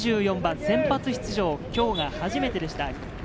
２４番、先発出場、今日が初めてでした。